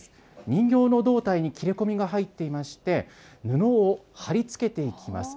人形の胴体に切れ込みが入っていまして、布を貼り付けていきます。